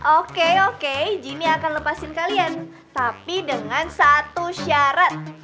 oke oke jimmy akan lepasin kalian tapi dengan satu syarat